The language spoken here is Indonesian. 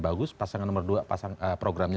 bagus pasangan nomor dua pasang programnya